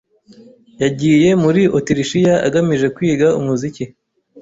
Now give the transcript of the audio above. Yagiye muri Otirishiya agamije kwiga umuziki.